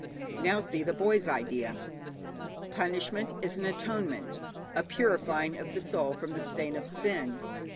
Now see the boy's idea. Punishment is an atonement, a purifying of the soul from the stain of sin.